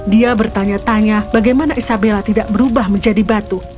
dia bertanya tanya bagaimana isabella tidak berubah menjadi batu